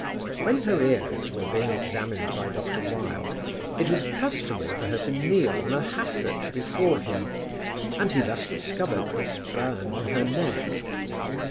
When her ears were being examined by Dr. Wilde, it was customary for her to kneel on a hassock before him, and he thus discovered this burn on her neck.